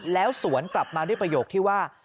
แล้วสวนกลับมาด้วยประโยคที่ว่า